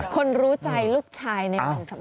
คนรู้ใจลูกชายในวันสำคัญ